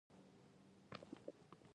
ایا ستاسو پرمختګ به چټک وي؟